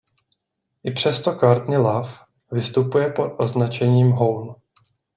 I přes to Courtney Love vystupuje pod označením Hole.